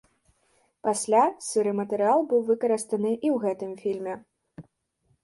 Пасля сыры матэрыял быў выкарыстаны і ў гэтым фільме.